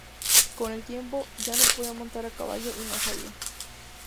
Con el tiempo, ya no podía montar a caballo y no salía.